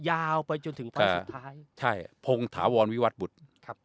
ยาวไปจนถึงครั้งสุดท้ายใช่พงถาวรวิวัตบุตรครับ